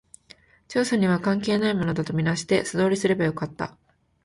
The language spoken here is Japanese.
調査には関係ないものだと見なして、素通りすればよかった